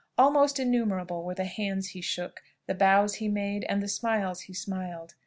Almost innumerable were the hands he shook, the bows he made, and the smiles he smiled.